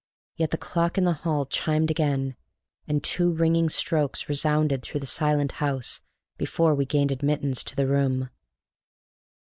Yet the clock in the hall chimed again, and two ringing strokes resounded through the silent house before we gained admittance to the room.